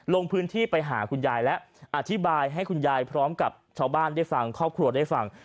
ลงพื้นที่ไปหาคุณยายแล้วอธิบายให้คุณยายพร้อมกับชาวบ้านได้ฟังครอบครัวได้ฟัง